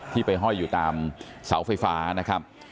ไปห้อยอยู่ตามเสาไฟฟ้านะครับ